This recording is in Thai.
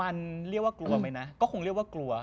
มันเรียกว่ากลัวไหมนะก็คงเรียกว่ากลัว